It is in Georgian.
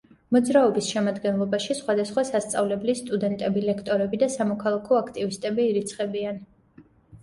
მოძრაობის შემადგენლობაში სხვადასხვა სასწავლებლის სტუდენტები, ლექტორები და სამოქალაქო აქტივისტები ირიცხებიან.